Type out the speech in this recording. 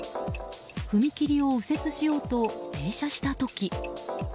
踏切を右折しようと停車した時。